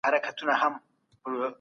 سم نیت ډار نه پیدا کوي.